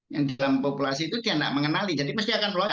yang dalam populasi itu dia tidak mengenali jadi pasti akan melakukan